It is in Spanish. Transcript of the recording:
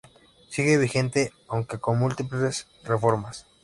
Sigue vigente, aunque con múltiples reformas.